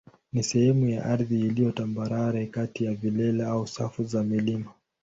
ni sehemu ya ardhi iliyo tambarare kati ya vilele au safu za milima.